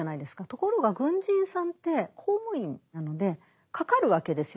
ところが軍人さんって公務員なのでかかるわけですよ